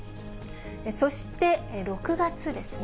そして、６月ですね。